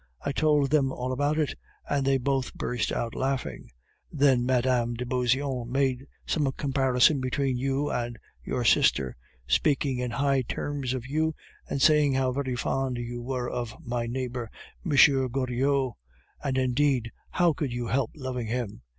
I told them all about it, and they both burst out laughing. Then Mme. de Beauseant made some comparison between you and your sister, speaking in high terms of you, and saying how very fond you were of my neighbor, M. Goriot. And, indeed, how could you help loving him?